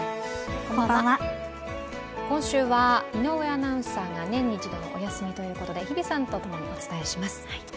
今週は井上アナウンサーが年に１度のお休みということで日比さんとともにお伝えします。